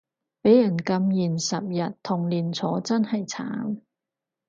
畀人禁言十日同連坐真係慘